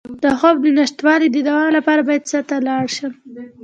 د خوب د نشتوالي د دوام لپاره باید چا ته لاړ شم؟